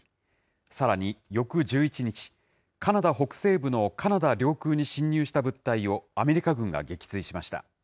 さらに翌１１日、カナダ北西部のカナダ領空に侵入した物体をアメリカ軍が撃墜しました。